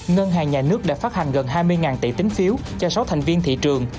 ngân hàng nhà nước đã phát hành gần hai mươi tỷ tính phiếu cho sáu thành viên thị trường